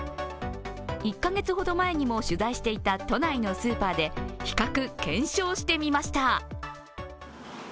１カ月ほど前にも取材していた都内のスーパーで比較検証してみました。